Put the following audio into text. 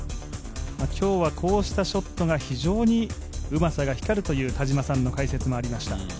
今日はこうしたショットが非常にうまさが光るという田島さんの解説もありました。